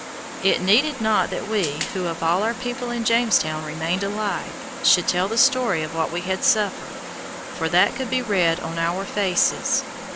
It needed not that we, who of all our people in Jamestown remained alive, should tell the story of what we had suffered, for that could be read on our faces.